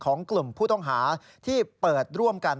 ของกลุ่มผู้ต้องหาที่เปิดร่วมกัน